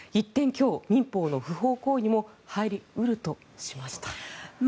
今日、民法の不法行為にも入り得るとしました。